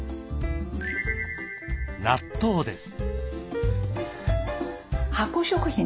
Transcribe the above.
納豆です。